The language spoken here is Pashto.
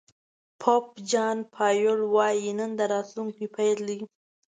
پوپ جان پایول وایي نن د راتلونکي پيل دی.